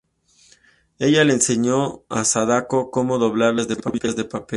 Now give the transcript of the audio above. Ella le enseñó a Sadako cómo doblar las grullas de papel.